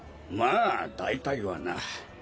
まあ大体はな。